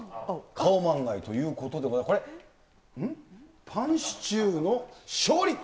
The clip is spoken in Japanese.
カオマンガイということで、これ、うん？パンシチューの勝利！